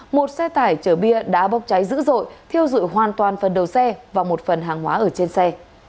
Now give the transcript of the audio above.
một xe tải chở bia đã bốc cháy dữ dội thiêu dụi hoàn toàn phần đầu xe và một phần hàng hóa ở trên xe